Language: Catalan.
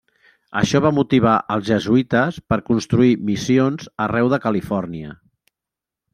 Això va motivar als jesuïtes per construir missions arreu de Califòrnia.